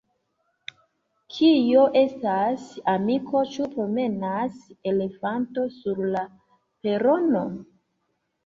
Kio estas, amiko, ĉu promenas elefanto sur la perono?